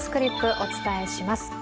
お伝えします。